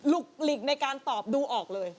ลุกหลีกในการตอบดูออกเลย